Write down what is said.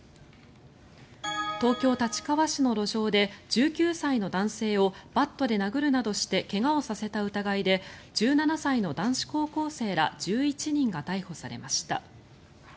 東京・立川市の路上で１９歳の男性をバットで殴るなどして怪我をさせた疑いで１７歳の男子高校生ら１１人が逮捕されました。